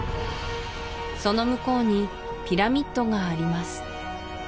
その向こうにピラミッドがあります